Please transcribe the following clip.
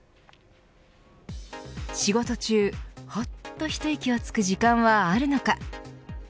仕事中ほっとひといきを着く時間はあるのか。